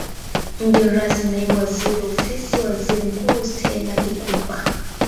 Mgeni rasmi Naibu Waziri Ofisi ya Waziri Mkuu Stella Ikupa